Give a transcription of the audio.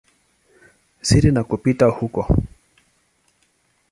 siri na kupita huko.